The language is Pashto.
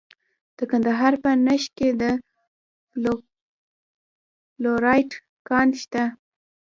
د کندهار په نیش کې د فلورایټ کان شته.